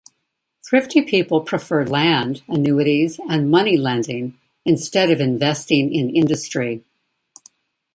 Thrifty people preferred land, annuities and money lending instead of investing in industry.